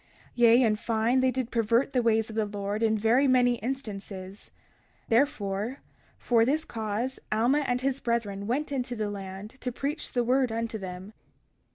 31:11 Yea, in fine, they did pervert the ways of the Lord in very many instances; therefore, for this cause, Alma and his brethren went into the land to preach the word unto them.